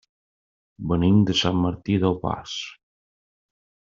Venim de Sant Martí d'Albars.